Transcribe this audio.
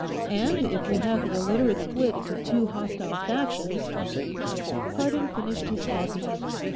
And if we have the Illiterates split into two hostile factions " Cardon finished his coffee.